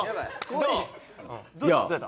どう？